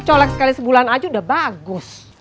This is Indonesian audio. colek sekali sebulan aja udah bagus